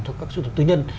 cho các sưu tục tư nhân